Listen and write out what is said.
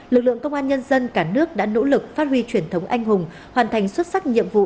lực lượng công an nhân dân cả nước đã nỗ lực phát huy truyền thống anh hùng hoàn thành xuất sắc nhiệm vụ